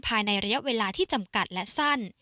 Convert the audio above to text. ภายในระยะเวลาที่จำกัดและสั้น